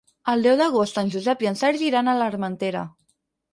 El deu d'agost en Josep i en Sergi iran a l'Armentera.